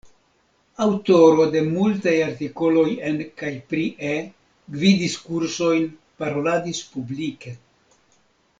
Aŭtoro de multaj artikoloj en kaj pri E, gvidis kursojn, paroladis publike.